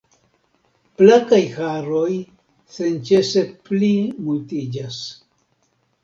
Blankaj haroj senĉese pli multiĝas.